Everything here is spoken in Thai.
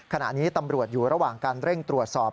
ขณะนี้ตำรวจอยู่ระหว่างการเร่งตรวจสอบ